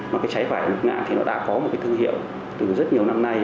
mà cái cháy vải ở lục ngạn thì nó đã có một cái thương hiệu từ rất nhiều năm nay